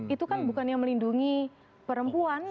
itu kan bukan yang melindungi perempuan